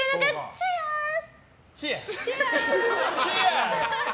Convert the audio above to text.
チアーズ！